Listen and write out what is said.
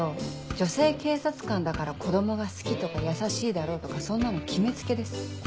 女性警察官だから子供が好きとか優しいだろうとかそんなの決め付けです。